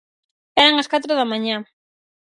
Eran as catro da mañá.